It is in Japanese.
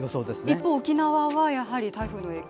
一方、沖縄は、やはり台風の影響が？